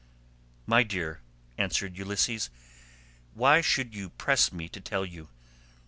"My dear," answered Ulysses, "why should you press me to tell you?